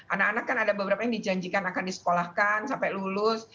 anak anak kan ada beberapa yang dijanjikan akan disekolahkan sampai lulus